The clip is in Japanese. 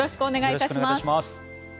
よろしくお願いします。